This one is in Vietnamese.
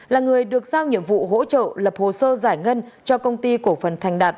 là người được giao nhiệm vụ hỗ trợ lập hồ sơ giải ngân cho công ty cổ phần thành đạt